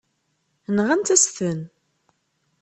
Nɣant-as-ten.